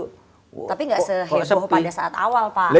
tapi nggak seheboh pada saat awal pak